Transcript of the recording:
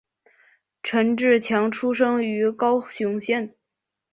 陈志强出生于高雄县。